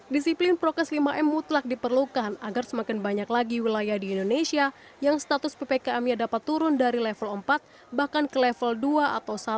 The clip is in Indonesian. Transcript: disiplin prokes lima m mutlak diperlukan agar semakin banyak lagi wilayah di indonesia yang status ppkm nya dapat turun dari level empat bahkan ke level dua atau satu